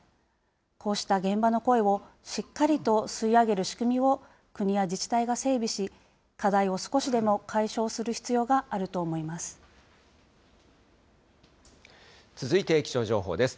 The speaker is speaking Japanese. こうした現場の声をしっかりと吸い上げる仕組みを国や自治体が整備し、課題を少しでも解消する必続いて、気象情報です。